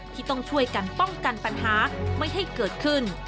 ที่ต้องช่วยกันป้องกันปัญหาไม่ให้เกิดขึ้น